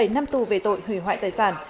bảy năm tù về tội hủy hoại tài sản